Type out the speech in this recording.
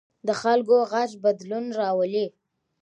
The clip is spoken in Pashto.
د خلکو غږ بدلون راولي